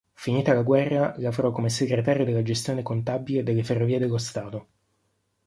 Finita la guerra lavorò come segretario della gestione contabile delle Ferrovie dello Stato.